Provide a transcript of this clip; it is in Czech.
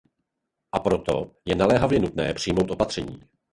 A proto je naléhavě nutné přijmout opatření.